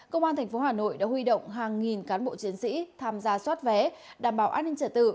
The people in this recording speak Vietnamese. công an tp hà nội đã huy động hàng nghìn cán bộ chiến sĩ tham gia xoát vé đảm bảo an ninh trả tự